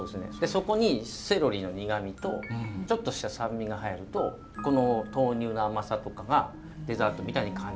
そこにセロリの苦みとちょっとした酸味が入るとこの豆乳の甘さとかがデザートみたいに感じるっていう。